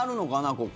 ここ。